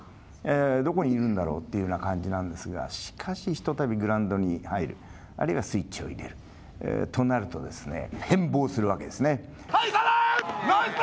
どこにいるんだろうというふうな感じなんですがしかし、ひとたびグラウンドに入る、あるいはスイッチを入れるとなるとですねナイスプレー！